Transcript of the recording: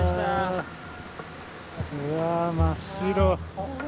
うわ真っ白。